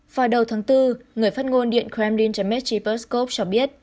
vào đầu tháng bốn người phát ngôn điện kremlin dmitry peskov cho biết